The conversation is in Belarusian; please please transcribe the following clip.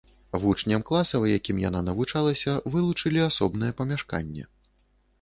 Вучням класа, у якім яна навучалася, вылучылі асобнае памяшканне.